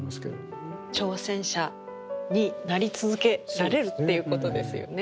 挑戦者になり続けられるっていうことですよね。